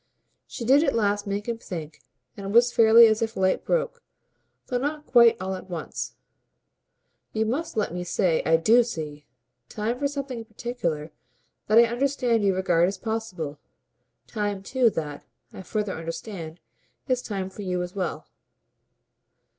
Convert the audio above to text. She did at last make him think, and it was fairly as if light broke, though not quite all at once. "You must let me say I DO see. Time for something in particular that I understand you regard as possible. Time too that, I further understand, is time for you as well."